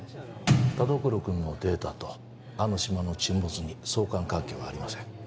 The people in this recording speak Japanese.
田所君のデータとあの島の沈没に相関関係はありません